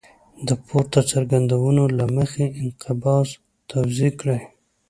د پورته څرګندونو له مخې انقباض توضیح کړئ.